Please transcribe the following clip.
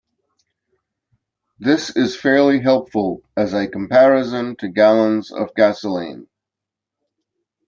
This is fairly helpful as a comparison to gallons of gasoline.